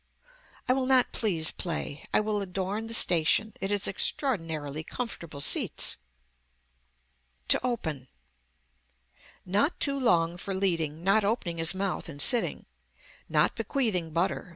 I will not please play. I will adorn the station. It has extraordinarily comfortable seats. TO OPEN Not too long for leading, not opening his mouth and sitting. Not bequeathing butter.